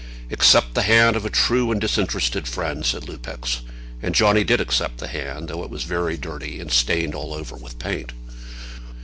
"Accept the hand of a true and disinterested friend," said Lupex. And Johnny did accept the hand, though it was very dirty and stained all over with paint.